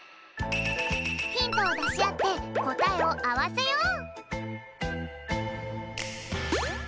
ヒントをだしあってこたえをあわせよう！